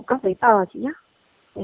các giấy tờ chứ nhé